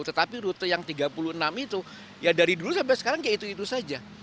tetapi rute yang tiga puluh enam itu ya dari dulu sampai sekarang kayak itu itu saja